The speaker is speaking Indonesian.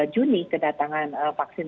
juni kedatangan vaksin